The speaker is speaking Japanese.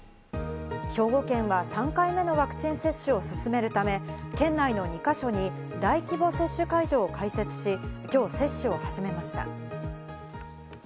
兵庫県は３回目のワクチン接種を進めるため、県内の２か所に大規模接種会場を開設し、今日接種を始めました。